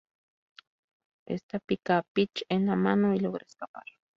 Esta pica a Pitch en la mano, y logra escapar.